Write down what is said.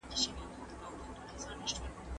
ناروغان د درد د برید وېرې لري.